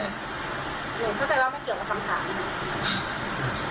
หนูเข้าใจว่าไม่เกี่ยวกับคำถาม